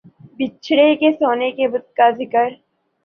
بچھڑے کے سونے کے بت کا ذکر